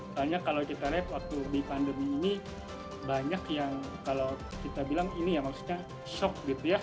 soalnya kalau kita lihat waktu di pandemi ini banyak yang kalau kita bilang ini ya maksudnya shock gitu ya